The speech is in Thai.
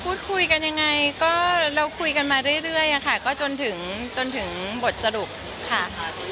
พูดคุยกันยังไงก็เราคุยกันมาเรื่อยอะค่ะก็จนถึงจนถึงบทสรุปค่ะ